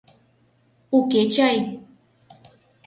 Уке чай?